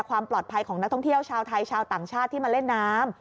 ความปลอดภัยของนักท่องเที่ยวชาวไทยชาวต่างชาติที่มาเล่นน้ำ